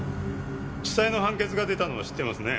地裁の判決が出たのは知ってますね？